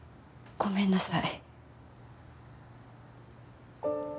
ごめんなさい。